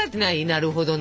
なるほど。